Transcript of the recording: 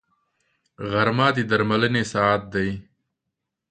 غرمه د درملنې ساعت دی